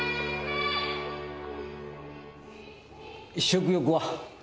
食欲は？